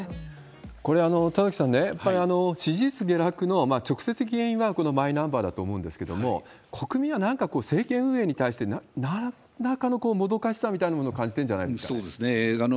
これ、田崎さんね、やっぱり支持率下落の直接的原因はこのマイナンバーだと思うんですけど、国民はなんかこう、政権運営に対してなんらかのもどかしさみたいなものを感じてんじそうですね。